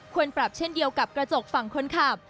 ควรปรับเช่นเดียวกับกระจกฝั่งคนขับ